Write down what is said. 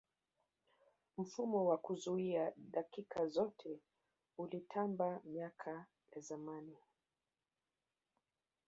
mfumo wa kuzuia dakika zote ulitamba miaka ya zamani